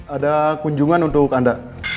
ada kunjungan untuk anda